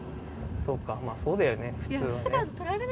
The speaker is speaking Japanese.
そうかまぁそうだよね普通はね。